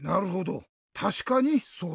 たしかにそうだ。